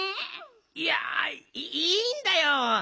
いやいいんだよ。